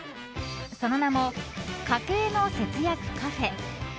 その名も、家計のせつやくカフェ。